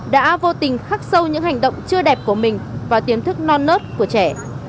đã vô tình khắc sâu những hành động chưa đẹp của mình và kiến thức non nớt của trẻ